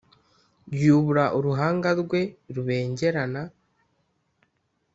yubura uruhanga rwe rubengerana,